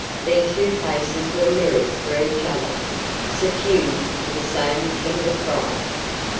Their two faces were mirrors for each other, suffused with the same tender pride.